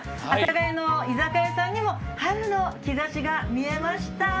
阿佐ヶ谷の居酒屋さんにも「春の兆し」が見えました。